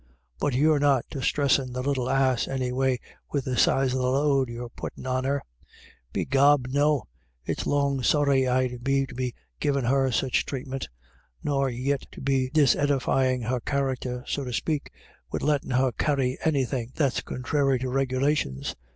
But you're not distressin' the little ass any way with the size of the load you're puttin' on her." " Begob no. It's long sorry I'd be to be givin' her any such thratement ; nor yit to be disedifyin' her character, so to spake, wid lettin' her carry GOT THE BETTER OF. 129 anythin' that's conthrary to regulations.